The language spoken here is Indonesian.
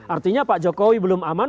artinya pak jokowi belum aman